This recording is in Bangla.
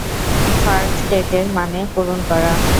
ফার্কটেটের মানে পূরণ করা।